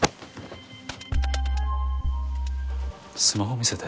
スマホ見せて。